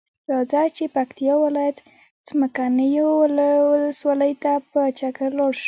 راځۀ چې پکتیا ولایت څمکنیو ولسوالۍ ته په چکر لاړشو.